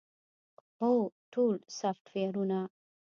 هو، ټول سافټویرونه